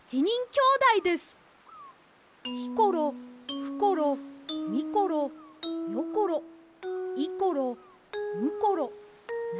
ひころふころみころよころいころむころなころ